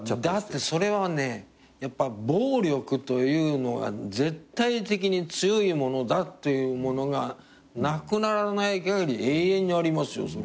だってそれはねやっぱ暴力というのが絶対的に強いものだっていうものがなくならないかぎり永遠にありますよ。